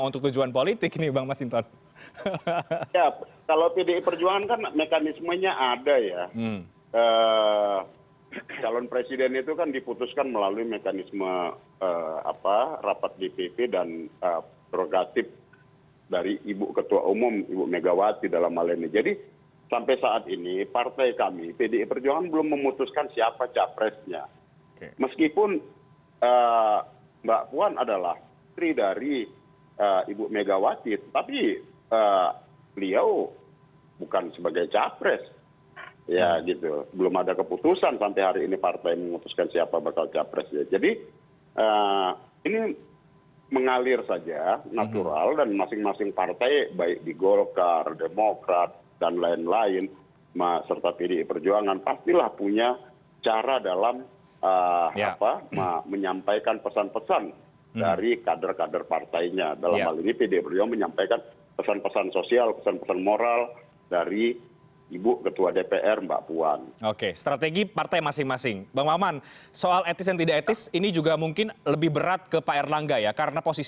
tokoh tokoh yang bersangkutan itu untuk dipertimbangkan